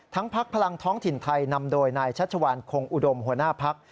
พักพลังท้องถิ่นไทยนำโดยนายชัชวานคงอุดมหัวหน้าพัก